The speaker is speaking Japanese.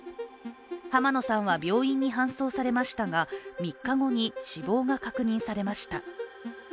濱野さんは病院に搬送されましたが３日後に死亡が確認されました。